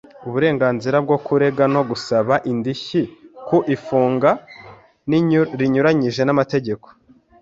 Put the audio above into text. Uburenganzira bwo kurega no gusaba indishyi ku ifunga rinyuranyije n amategeko